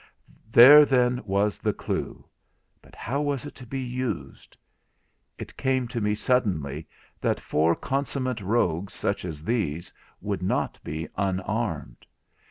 There then was the clue; but how was it to be used? It came to me suddenly that four consummate rogues such as these would not be unarmed.